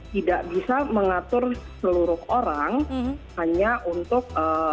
tidak bisa mengatur seluruh orang hanya untuk